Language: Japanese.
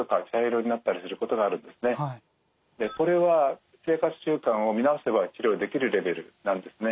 これは生活習慣を見直せば治療できるレベルなんですね。